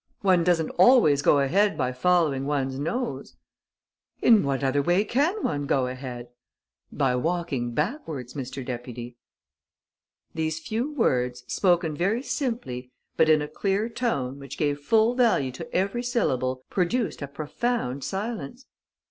One doesn't always go ahead by following one's nose." "In what other way can one go ahead?" "By walking backwards, Mr. Deputy." These few words, spoken very simply, but in a clear tone which gave full value to every syllable, produced a profound silence.